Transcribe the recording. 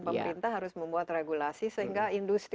pemerintah harus membuat regulasi sehingga industri